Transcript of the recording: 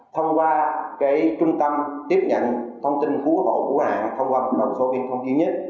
thông qua trung tâm tiếp nhận thông tin phú hộ phú hạng thông qua một đồng số viên không duy nhất